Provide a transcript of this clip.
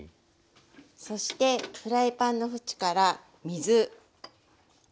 そしてフライパンの縁から水。